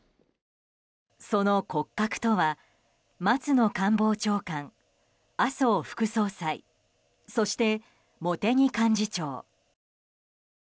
その骨格とは松野官房長官麻生副総裁、そして茂木幹事長。